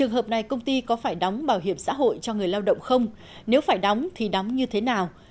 trường hợp này công ty có phải đóng bảo hiểm xã hội cho người lao động không nếu phải đóng thì đóng như thế nào